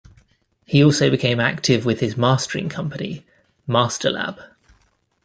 He also became active with his mastering company, Masterlab.